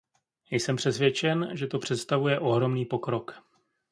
Jsem přesvědčen, že to představuje ohromný pokrok.